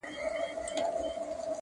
باد صبا د خدای لپاره-